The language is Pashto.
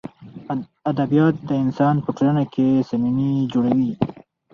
ادبیات انسان په ټولنه کښي صمیمي جوړوي.